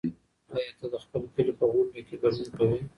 ایا ته د خپل کلي په غونډه کې ګډون کوې؟